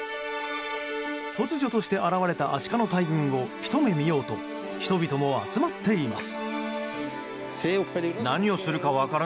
突如として現れたアシカの大群をひと目見ようと人々も集まっています。